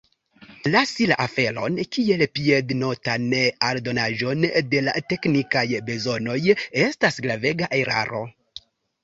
Lasi la aferon kiel piednotan aldonaĵon de la teknikaj bezonoj estas gravega eraro.